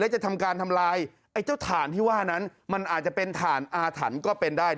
จะทำการทำลายไอ้เจ้าถ่านที่ว่านั้นมันอาจจะเป็นถ่านอาถรรพ์ก็เป็นได้